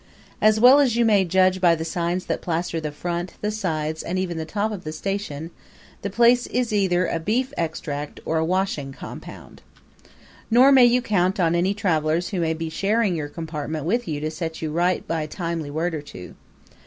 As well as you may judge by the signs that plaster the front, the sides, and even the top of the station, the place is either a beef extract or a washing compound. Nor may you count on any travelers who may be sharing your compartment with you to set you right by a timely word or two.